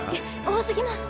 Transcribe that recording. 多すぎます。